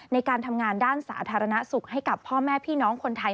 ในการทำงานด้านสาธารณสุขให้กับพ่อแม่พี่น้องคนไทย